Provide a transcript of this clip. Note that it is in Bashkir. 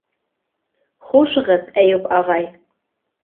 - Хушығыҙ, Әйүп ағай!